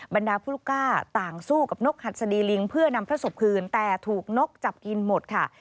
บรรดาผู้ลูกก้าต่างสู้กับนกหัดสดีลิงเพื่อนำพระศพคืนแต่ถูกนกจับกินหมดค่ะ